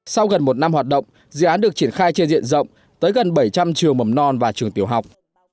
sau gần một năm hoạt động dự án được triển khai trên diện rộng tới gần bảy trăm linh trường mầm non và trường tiểu học